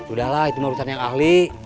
udah lah itu mahrusan yang ahli